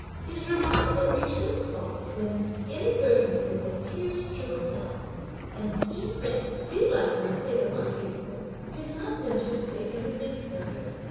His remarks had reached this clause, when inadvertently the tears trickled down; and Hsi Jen realising the state of mind he was in, did not venture to say anything further.